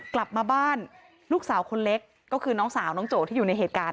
กลับมาบ้านลูกสาวคนเล็กก็คือน้องสาวน้องโจที่อยู่ในเหตุการณ์